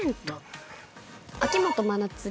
秋元真夏に。